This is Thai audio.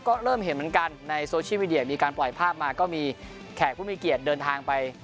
ก็เริ่มเห็นเหมือนกันในโซเชียลมีเดียมีการปล่อยภาพมาก็มีแขกผู้มีเกียรติเดินทางไป